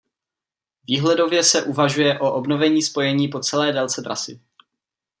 Výhledově se uvažuje o obnovení spojení po celé délce trasy.